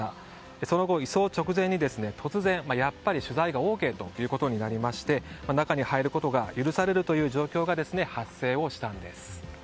その後、移送直前に突然やっぱり取材ＯＫとなりまして中に入ることが許される状況が発生したんです。